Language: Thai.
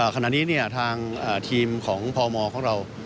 ขณะนี้ทางทีมของพมของเรา